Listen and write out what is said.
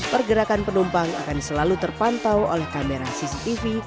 pergerakan penumpang akan selalu terpantau oleh kamera cctv